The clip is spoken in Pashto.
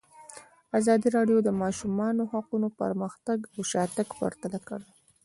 ازادي راډیو د د ماشومانو حقونه پرمختګ او شاتګ پرتله کړی.